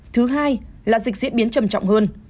thứ hai là dịch diễn biến trầm trọng hơn